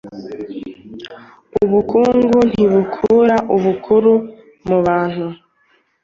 Ubukungu ntibukura ubukuru mubantu